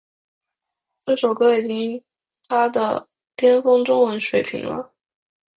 这首歌已经她的巅峰中文水平了